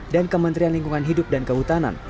dan kementerian lingkungan hidup dan kehutanan